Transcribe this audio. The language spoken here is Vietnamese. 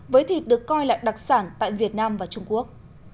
với thịt được coi là đặc sản tại việt nam và trung quốc